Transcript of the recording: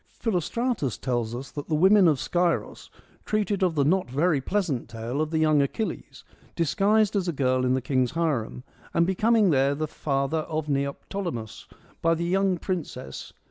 Philostratus tells us that the Women of Scyros treated of the not very pleasant tale of the young Achilles, disguised as a girl in the king's harem, and becoming there the father of Neoptolemus, by the young princess